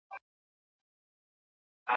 د دوی د پريوتلو ځايونه سره بيل کړئ.